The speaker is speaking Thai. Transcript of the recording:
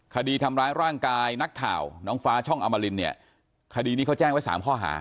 คดีทำร้ายร่างกายนักข่าวน้องฟ้าช่องอมรินเนี่ยคดีนี้เขาแจ้งไว้๓ข้อหา